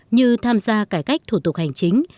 như tham gia cải cách thủ tục hành chính